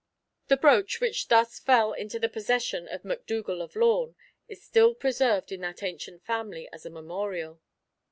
The brooch, which fell thus into the possession of MacDougal of Lorn, is still preserved in that ancient family as a memorial.